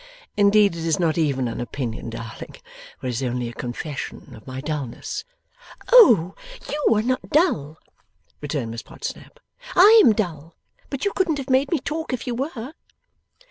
Indeed it is not even an opinion, darling, for it is only a confession of my dullness.' 'Oh YOU are not dull,' returned Miss Podsnap. 'I am dull, but you couldn't have made me talk if you were.